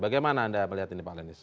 bagaimana anda melihat ini pak lenis